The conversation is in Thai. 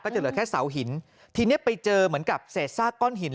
จะเหลือแค่เสาหินทีเนี้ยไปเจอเหมือนกับเศษซากก้อนหิน